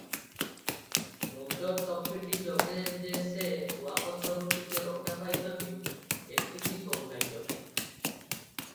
ମୁଣ୍ଡ ଟୋପିଟି ଯୋଗେ ଯେ ସେ କୁଆପଥରରୁ ଟିକିଏ ରକ୍ଷା ପାଇଚନ୍ତି ଏତିକି ସୌଭାଗ୍ୟ!